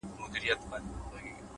پرمختګ د ځان ماتولو هنر دی’